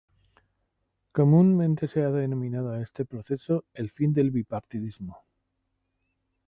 Comúnmente se ha denominado a este proceso el fin del bipartidismo.